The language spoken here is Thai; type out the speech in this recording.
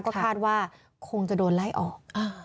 ก็คาดว่าคงจะโดนไล่ออก